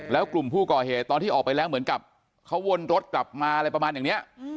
แล้วกลุ่มผู้ก่อเหตุตอนที่ออกไปแล้วเหมือนกับเขาวนรถกลับมาอะไรประมาณอย่างนี้